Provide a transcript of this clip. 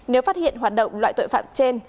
nếu phát hiện hoạt động loại tội phạm trên